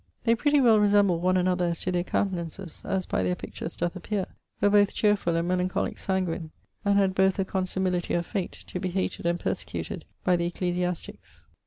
They pretty well resembled one another as to their countenances, as by their pictures doeth appeare; were both cheerfull and melancholique sanguine; and had both a consimilitie of fate, to be hated and persecuted by the ecclesiastiques.